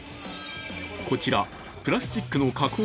こちら、プラスチックの加工